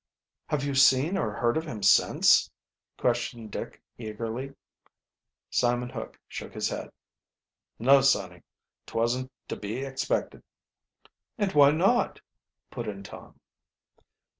"Have you seen or heard of him since?" questioned Dick eagerly. Simon Hook shook his head. "No, sonny. 'Twasn't to be expected." "And why not?" put in Tom.